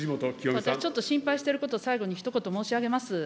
私ちょっと心配していることを最後にひと言申し上げます。